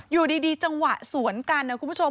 อยู่ดีจังหวะสวนกันนะคุณผู้ชม